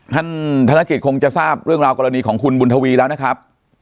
ธนกิจคงจะทราบเรื่องราวกรณีของคุณบุญทวีแล้วนะครับ